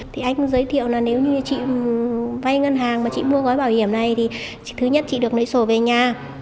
thì anh cũng giới thiệu là nếu như chị vay ngân hàng mà chị mua gói bảo hiểm này thì thứ nhất chị được lấy sổ về nhà